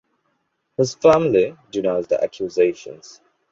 His family denies the accusations.